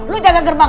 lu jaga gerbang